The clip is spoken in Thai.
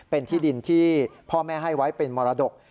เป็นที่ดินที่พ่อแม่ให้ไว้เป็นมรดก